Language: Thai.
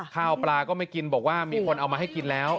ข้าวปลาก็ไม่กินบอกว่ามีคนเอามาให้กินแล้ว